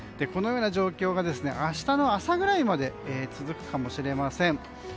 このような状況が明日の朝ぐらいまで続くかもしれません。